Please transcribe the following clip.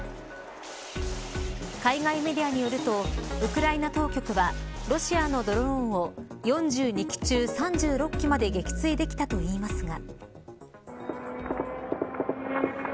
海外メディアによるとウクライナ当局はロシアのドローンを４２機中３６機まで撃墜できたといいますが。